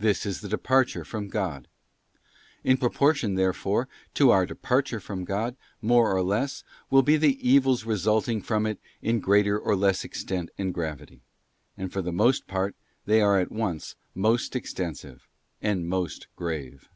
This is the departure from God. In proportion, therefore, to our departure from God, more or less, will be the evils resulting from it in greater or less extent and gravity; and for the most part they are at once most extensive and most grave.